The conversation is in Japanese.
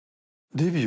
デビュー？